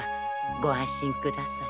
ご安心ください。